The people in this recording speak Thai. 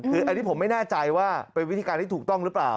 คืออันนี้ผมไม่แน่ใจว่าเป็นวิธีการที่ถูกต้องหรือเปล่า